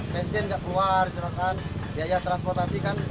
benzin nggak keluar biaya transportasi kan